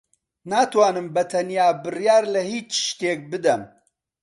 ناتوانم بەتەنیا بڕیار لە ھیچ شتێک بدەم.